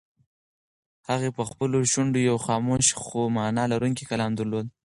هغې په خپلو شونډو یو خاموش خو مانا لرونکی کلام درلود.